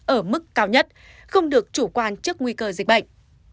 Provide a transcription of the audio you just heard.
ở mức cao nhất không được chủ quan trước nguy cơ dịch bệnh